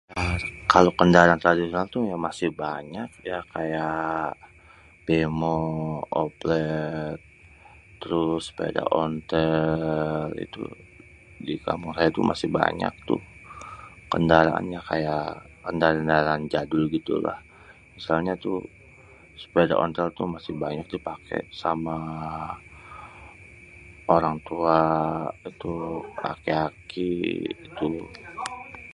kalo kendaraan tradisional itu masih banyak ya kaya bemo, oplet, terus sepeda ontel itu dikampung saya tuh masih banyak tuh kendaraan yang kaya kendaran kendaraan jadul gitu lah, misalnya tuh sepeda ontel tuh masih banyak tuh dipaké sama orang tua itu, aki-aki gitu.